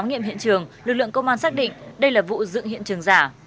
nghiệm hiện trường lực lượng công an xác định đây là vụ dựng hiện trường giả